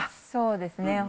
そうですね。